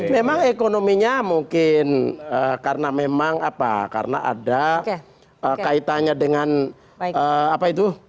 memang ekonominya mungkin karena memang apa karena ada kaitannya dengan apa itu